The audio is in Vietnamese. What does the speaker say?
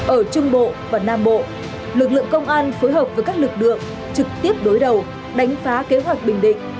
ở trung bộ và nam bộ lực lượng công an phối hợp với các lực lượng trực tiếp đối đầu đánh phá kế hoạch bình định